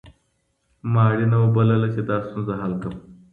ما اړینه وبلله چي دا ستونزه حل کړم.